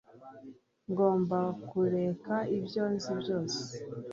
ngomba kureka ibyo nzi byose